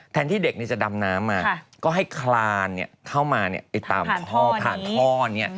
แทนที่เด็กเนี่ยจะดำน้ำมาก็ให้คลานเนี่ยเข้ามาเนี่ยตามผ่านท่อนี้